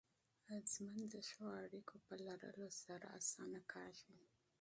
ژوند د ښو اړیکو په لرلو سره اسانه کېږي.